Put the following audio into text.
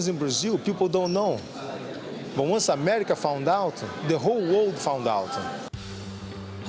tapi setelah amerika mengetahui seluruh dunia mengetahui